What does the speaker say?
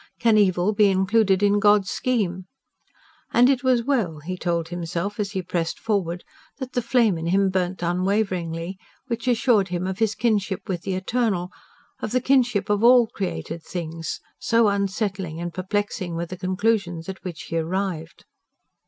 Can evil be included in God's scheme? And it was well, he told himself, as he pressed forward, that the flame in him burnt unwaveringly, which assured him of his kinship with the Eternal, of the kinship of all created things; so unsettling and perplexing were the conclusions at which he arrived.